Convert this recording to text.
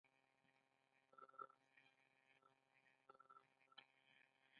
جگر د بدن کیمیاوي فابریکه ده.